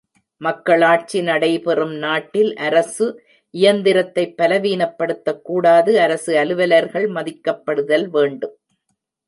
மக்களாட்சி நடைபெறும் நாட்டில் அரசு இயந்திரத்தை பலவீனப்படுத்தக் கூடாது அரசு அலுவலர்கள் மதிக்கப்படுதல் வேண்டும்.